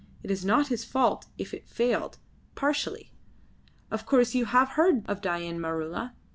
It is not his fault if it failed, partially. Of course you have heard of Dain Maroola.